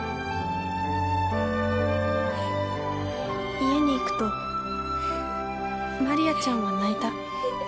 家に行くとマリアちゃんは泣いた。